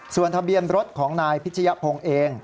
ส่วนทะเบียนรถของนายพิชยพงศ์เอง